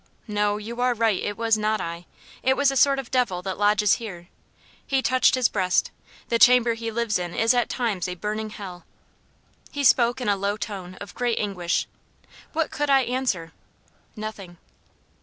"No, you are right, it was not I. It was a sort of devil that lodges here:" he touched his breast. "The chamber he lives in is at times a burning hell." He spoke in a low tone of great anguish. What could I answer? Nothing.